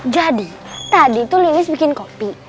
jadi tadi tuh lilis bikin kopi